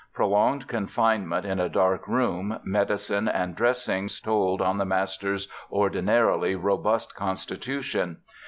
Prolonged confinement in a dark room, medicines and dressings told on the master's ordinarily robust constitution.